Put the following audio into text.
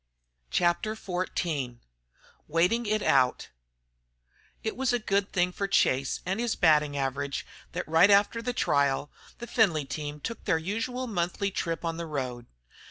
CHAPTER XIV WAITING IT OUT It was a good thing for Chase and his batting average that right after the trial, the Findlay team took their usual monthly trip on the road.